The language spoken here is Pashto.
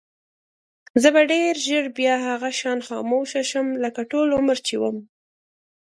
زه به ډېر ژر بیا هغه شان خاموشه شم لکه ټول عمر چې وم.